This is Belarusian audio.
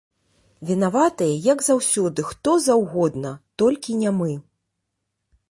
Вінаватыя, як заўсёды, хто заўгодна, толькі не мы.